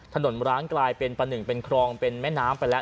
ร้างกลายเป็นประหนึ่งเป็นคลองเป็นแม่น้ำไปแล้ว